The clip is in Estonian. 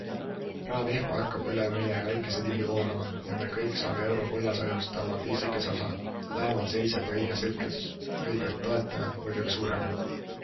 Rahavihm hakkab üle meie väikse riigi voolama ja me kõik saame eurokullasajust oma pisikese osa - lähemal seisjad ja õiges hetkes õiget toetajad muidugi suurema.